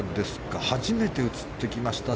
初めて映ってきました。